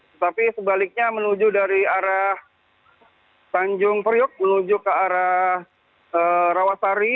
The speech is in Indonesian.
ya tapi sebaliknya menuju dari arah tanjung periuk menuju ke arah rawasari